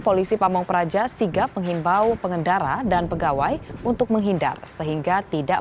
polisi pamung praja sigap menghimbau pengendara dan pegawai untuk menghindar sehingga tidak